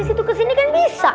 situ kesini kan bisa